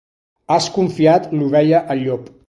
Has confiat l'ovella al llop.